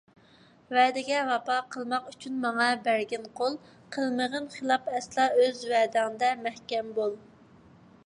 ۋەدىگە ۋاپا قىلماق ئۈچۈن ماڭا بەرگىن قول، قىلمىغىن خىلاپ ئەسلا، ئۆز ۋەدەڭدە مەھكەم بول.